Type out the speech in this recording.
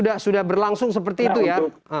jadi sudah berlangsung seperti itu ya